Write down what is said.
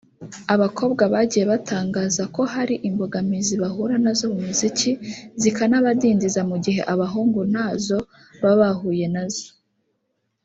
abakobwa bagiye batangaza ko hari imbogamizi bahura nazo mu muziki zikanabadindiza mu gihe abahungu ntazo baba bahuye nazo